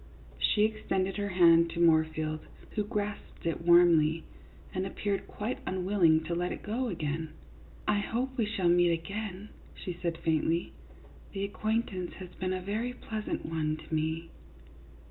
She extended her hand to Moorfield, who grasped it warmly, and appeared quite unwilling to let it go again. " I hope we shall meet again," she said, faintly. " The acquaintance has been a very pleasant one to me."